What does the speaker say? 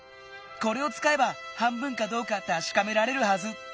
これをつかえば半分かどうかたしかめられるはず！